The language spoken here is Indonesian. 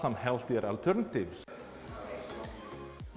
hanya saja ada alternatif yang lebih sehat